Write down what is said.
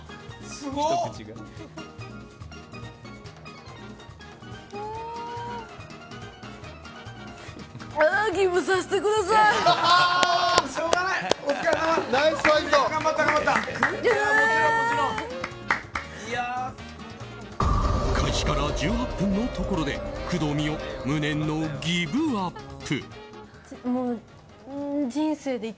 すごい。開始から１８分のところで工藤美桜、無念のギブアップ。